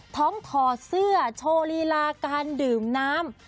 ถอดเสื้อโชว์ลีลาการดื่มน้ำ